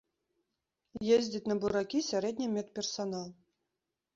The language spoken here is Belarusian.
Ездзіць на буракі сярэдні медперсанал.